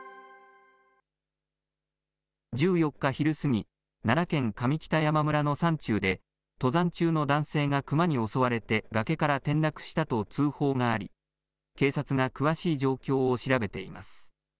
１４日昼過ぎ、奈良県上北山村の山中で、登山中の男性がクマに襲われて崖から転落したと通報があり、警察が詳しい状況を調べています。